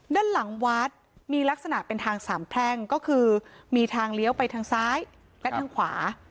ด้านหลังวัดมีลักษณะเป็นทางสามแพร่งก็คือมีทางเลี้ยวไปทางซ้ายและทางขวา